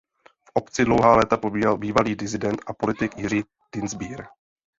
V obci dlouhá léta pobýval bývalý disident a politik Jiří Dienstbier.